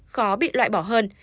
khó bị loại bỏ hơn